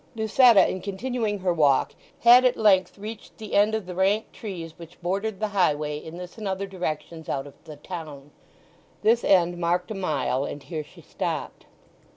Lucetta, in continuing her walk, had at length reached the end of the ranked trees which bordered the highway in this and other directions out of the town. This end marked a mile; and here she stopped.